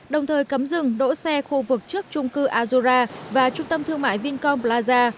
đồng thời cấm dừng đỗ xe khu vực trước trung cư azura và trung tâm thương mại vincom plaza